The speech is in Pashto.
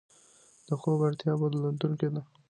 د خوب اړتیا بدلېدونکې ده.